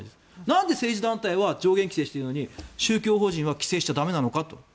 なんで政治団体は上限規制をしているのに宗教法人は規制しちゃ駄目なのかと。